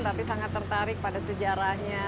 tapi sangat tertarik pada sejarahnya